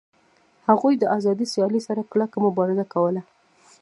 هغوی د آزادې سیالۍ سره کلکه مبارزه کوله